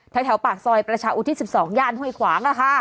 แถวปากซอยประชาอุทิศ๑๒ย่านห้วยขวาง